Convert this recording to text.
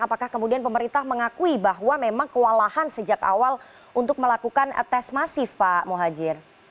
apakah kemudian pemerintah mengakui bahwa memang kewalahan sejak awal untuk melakukan tes masif pak mohajir